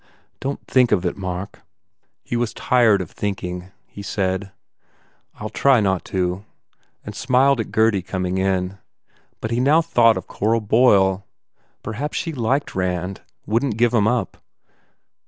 "Don t think of it, Mark." He was tired of thinking. He said, "I ll try not to," and smiled at Gurdy coming in. But he now thought of Cora Boyle. Perhaps she liked Rand, wouldn t give him up.